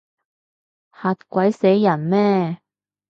嚇鬼死人咩？